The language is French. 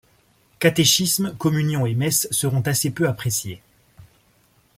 Catéchisme, communions et messes seront assez peu appréciés.